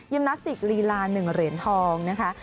นาสติกลีลา๑เหรียญทองนะคะ